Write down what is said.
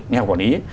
nhà quản lý ấy